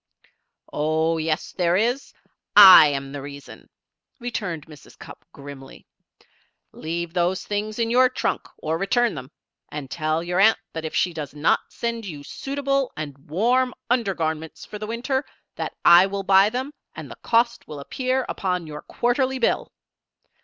"Oh, yes there is. I am the reason," returned Mrs. Cupp, grimly. "Leave those things in your trunk, or return them. And tell your aunt that if she does not send you suitable and warm under garments for the winter, that I will buy them and the cost will appear upon your quarterly bill.